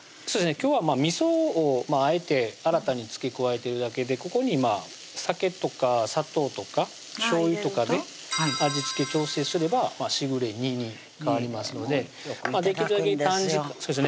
今日はみそをあえて新たに付け加えてるだけでここに酒とか砂糖とかしょうゆとかで味付け調整すればしぐれ煮に変わりますのでよく頂くんですよ